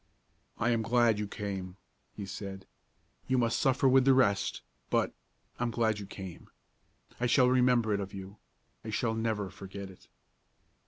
"I am glad you came," he said. "You must suffer with the rest, but I am glad you came. I shall remember it of you, I shall never forget it."